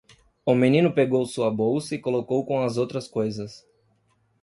O menino pegou sua bolsa e colocou com as outras coisas.